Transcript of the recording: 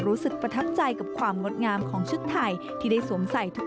รู้สึกประทับใจกับความงดงามของชุดไทยที่ได้สวมใส่ทุก